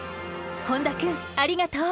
本多くんありがとう！